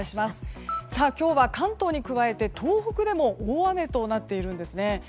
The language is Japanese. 今日は関東に加えて東北でも大雨となっているんですね。